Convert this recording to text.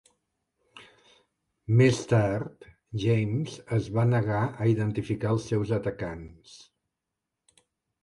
Més tard, James es va negar a identificar els seus atacants.